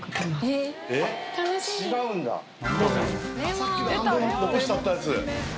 さっきの半分残してあったやつ。